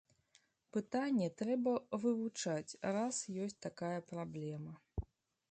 Пытанне трэба вывучаць, раз ёсць такая праблема.